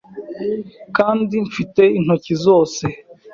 kandi mfite intoki zose